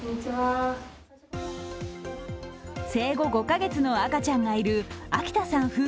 生後５カ月の赤ちゃんがいる秋田さん